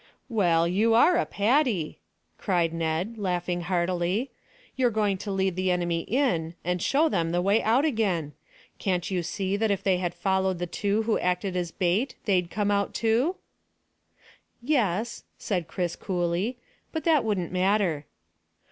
"Well, you are a Paddy," cried Ned, laughing heartily. "You're going to lead the enemy in, and show them the way out again. Can't you see that if they followed the two who acted as bait they'd come out too?" "Yes," said Chris coolly, "but that wouldn't matter."